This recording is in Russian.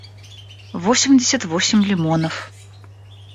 восемьдесят восемь лимонов